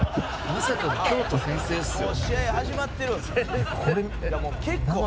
まさかの京都先制っすよ。